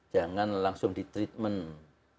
jangan langsung di treatment